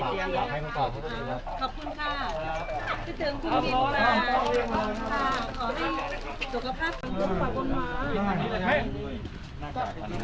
ขอบคุณนะครับขอบคุณนะครับพี่บิลมานิดนิดนะครับสวัสดีครับสวัสดีครับ